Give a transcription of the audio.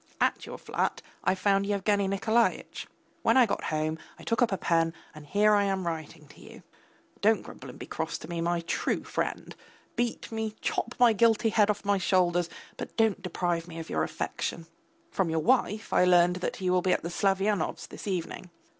At your flat I found Yevgeny Nikolaitch. When I got home I took up a pen, and here I am writing to you. Don't grumble and be cross to me, my true friend. Beat me, chop my guilty head off my shoulders, but don't deprive me of your affection. From your wife I learned that you will be at the Slavyanovs' this evening.